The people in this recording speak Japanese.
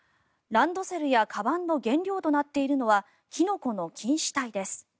ランドセルやかばんの原料となっているのがキノコの菌糸体です。